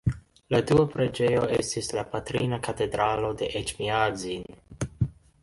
La dua preĝejo estis la Patrina Katedralo de Eĉmiadzin.